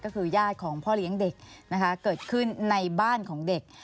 ก็คือญาติของพ่อเลี้ยงเด็กนะคะเกิดขึ้นในบ้านของเด็ก